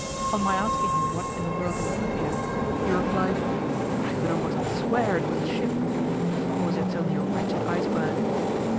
On my asking him what in the world he was looking at, he replied "I could almost swear it was a ship, but of course it's only a wretched iceberg."